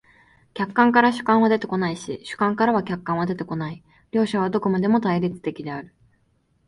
客観からは主観は出てこないし、主観からは客観は出てこない、両者はどこまでも対立的である。